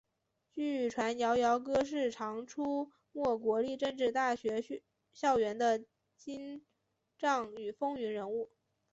据传摇摇哥是常出没国立政治大学校园的精障与风云人物。